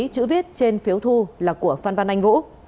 chữ viết trên phiếu thu là của phan văn anh vũ